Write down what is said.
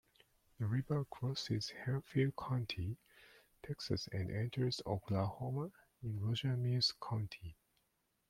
The river crosses Hemphill County, Texas and enters Oklahoma in Roger Mills County.